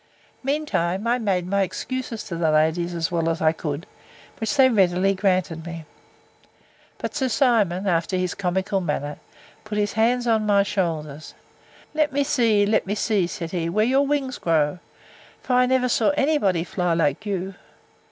Mean time, I made my excuses to the ladies, as well as I could, which they readily granted me. But Sir Simon, after his comical manner, put his hands on my shoulders: Let me see, let me see, said he, where your wings grow; for I never saw any body fly like you.